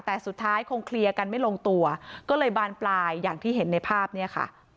แต่สุดท้ายคงเคลียร์กันไม่ลงตัวก็เลยบานปลายอย่างที่เห็นในภาพเนี่ยค่ะ